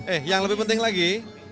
eh yang lebih penting lagi